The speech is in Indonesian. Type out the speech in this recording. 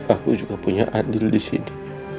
aku juga punya adil disini